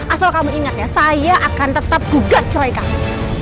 asal kamu ingat ya saya akan tetap gugat cerai kamu